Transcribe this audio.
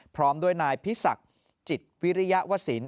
พร้อมด้วยนายพิศักดิ์จิตวิริยวสิน